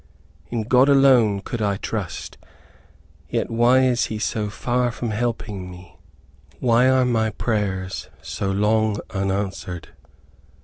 In God alone could I trust, yet why is he so far from helping me? Why are my prayers so long unanswered?